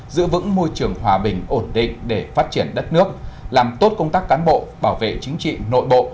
giữ vững môi trường hòa bình ổn định để phát triển đất nước làm tốt công tác cán bộ bảo vệ chính trị nội bộ